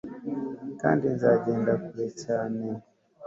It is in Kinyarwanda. Kandi nzagenda kure cyane